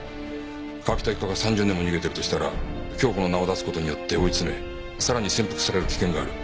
川喜多一家が３０年も逃げてるとしたら京子の名を出す事によって追い詰めさらに潜伏される危険がある。